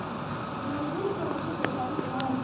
د ملګرو ملتونو ادارې فعالې دي